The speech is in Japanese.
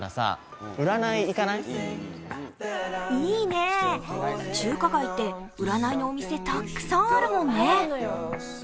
いいね、中華街って占いのお店たくさんあるもんね。